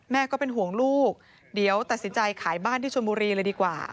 ก็เป็นห่วงลูกเดี๋ยวตัดสินใจขายบ้านที่ชนบุรีเลยดีกว่า